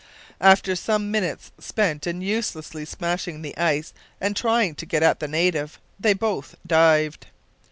After some minutes spent in uselessly smashing the ice and trying to get at the native, they both dived.